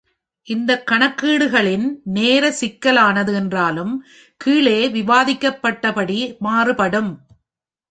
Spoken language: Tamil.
இந்த கணக்கீடுகளின் நேர சிக்கலானது என்றாலும், கீழே விவாதிக்கப்பட்டபடி மாறுபடும்.